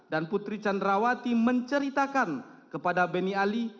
dan putri candrawati menceritakan kepada beni ali